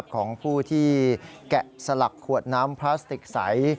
ของผู้ที่แกะสลักขวดน้ำพลาสติกใส